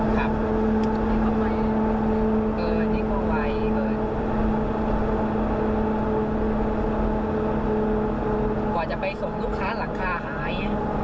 กว่าจะไปส่งลูกค้าหลังคาหาย